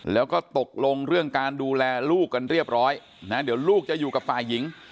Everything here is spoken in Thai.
แล้วก็ตกลงเรื่องการดูแลลูกกันเรียบร้อยนะเดี๋ยวลูกจะอยู่กับฝ่ายหญิง